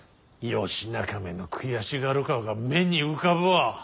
義仲めの悔しがる顔が目に浮かぶわ。